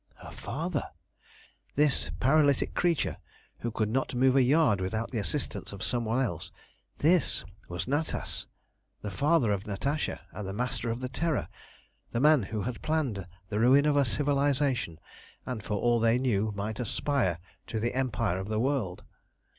Her father! This paralytic creature, who could not move a yard without the assistance of some one else this was Natas, the father of Natasha, and the Master of the Terror, the man who had planned the ruin of a civilisation, and for all they knew might aspire to the empire of the world!